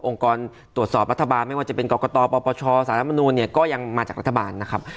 กรตรวจสอบรัฐบาลไม่ว่าจะเป็นกรกตปปชสารมนูลเนี่ยก็ยังมาจากรัฐบาลนะครับ